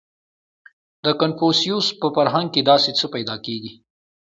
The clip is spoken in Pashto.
• د کنفوسیوس په فرهنګ کې داسې څه پیدا کېږي.